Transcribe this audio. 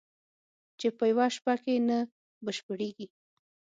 چې په یوه شپه کې نه بشپړېږي